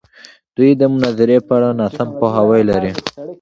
دوی د مناظرې په اړه ناسم پوهاوی لري.